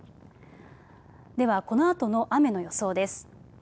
ではこのあとの雨の予想です。